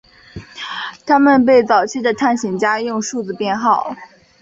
他们被早期的探险家用数字编号。